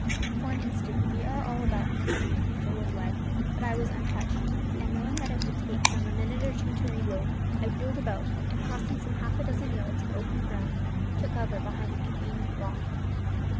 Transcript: For an instant the air all about me seemed to be full of lead, but I was untouched; and, knowing that it would take them a minute or two to reload, I wheeled about and, crossing some half dozen yards of open ground, took cover behind a convenient rock.